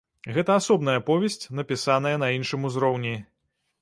Гэта асобная аповесць, напісаная на іншым узроўні.